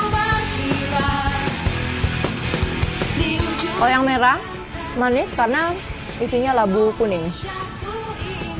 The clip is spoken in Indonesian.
kalau yang merah manis karena isinya labu kuning